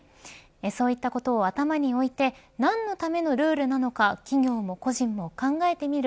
そういったことを頭において何のためのルールなのか企業も個人も考えてみる